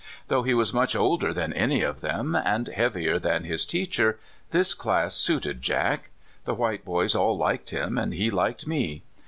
Though he was much older than any of them, and heavier than his teacher, this class suited Jack. The white boys all liked him, and he liked me.